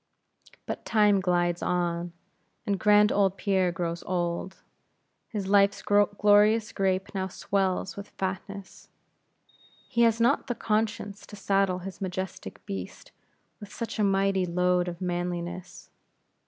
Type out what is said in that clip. But time glides on, and grand old Pierre grows old: his life's glorious grape now swells with fatness; he has not the conscience to saddle his majestic beast with such a mighty load of manliness.